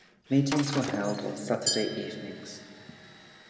Meetings were held on Saturday evenings.